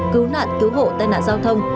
cứu nạn cứu hộ tai nạn giao thông